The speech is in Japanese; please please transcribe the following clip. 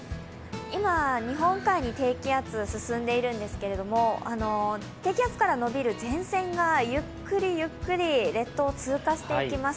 今、日本海に低気圧進んでいるんですけど、低気圧からのびる前線がゆっくりゆっくり列島を通過していきます。